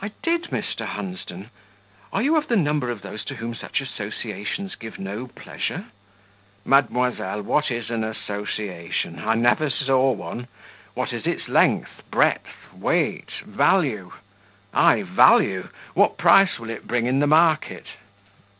"I did, Mr. Hunsden. Are you of the number of those to whom such associations give no pleasure?" "Mademoiselle, what is an association? I never saw one. What is its length, breadth, weight, value ay, VALUE? What price will it bring in the market?"